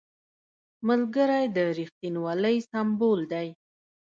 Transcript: ملګری د رښتینولۍ سمبول دی